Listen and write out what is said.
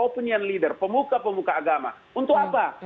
pemuka pemuka agama untuk apa